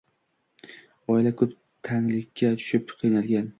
Oila ko’p tanglikka tushib qiynalgan.